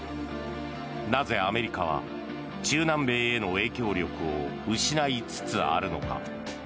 なぜアメリカは、中南米への影響力を失いつつあるのか？